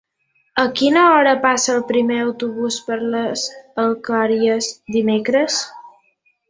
A quina hora passa el primer autobús per les Alqueries dimecres?